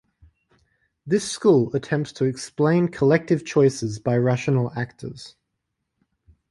This school attempts to explain collective choices by rational actors.